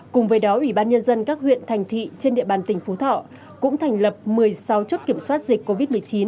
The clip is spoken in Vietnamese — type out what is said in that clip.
cùng với đó ủy ban nhân dân các huyện thành thị trên địa bàn tỉnh phú thọ cũng thành lập một mươi sáu chốt kiểm soát dịch covid một mươi chín